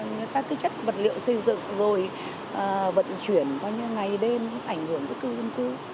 người ta cứ chất vật liệu xây dựng rồi vận chuyển bao nhiêu ngày đêm ảnh hưởng tới tư dân cư